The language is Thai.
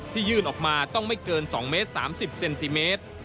ยื่นออกมาต้องไม่เกิน๒เมตร๓๐เซนติเมตร